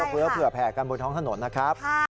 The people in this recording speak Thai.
ต้องเอ้อเผื่อแผ่กันบนท้องถนนนะครับใช่ค่ะ